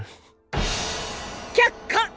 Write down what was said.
却下！